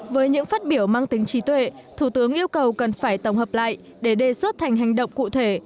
với những phát biểu mang tính trí tuệ thủ tướng yêu cầu cần phải tổng hợp lại để đề xuất thành hành động cụ thể